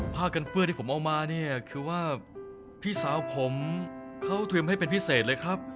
ผ้ากันเปื้อที่ผมเอามาเนี่ยคือว่าพี่สาวผมเขาเตรียมให้เป็นพิเศษเลยครับ